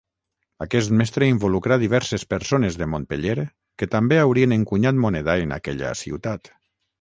Aquest mestre involucrà diverses persones de Montpeller que també haurien encunyat moneda en aquella ciutat.